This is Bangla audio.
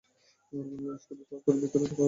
স্কুটার পার্ক করে ভেতরে দেখা কর আমার সাথে।